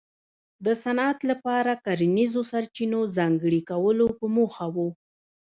د صنعت لپاره کرنیزو سرچینو ځانګړي کولو په موخه و.